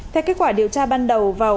theo kết quả điều tra ban đầu vào